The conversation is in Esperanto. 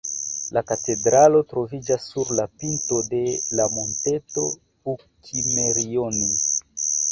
La katedralo troviĝas sur la pinto de la monteto Uk’imerioni.